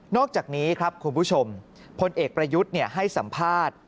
อกจากนี้ครับคุณผู้ชมพลเอกประยุทธ์ให้สัมภาษณ์